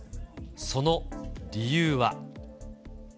その理由は。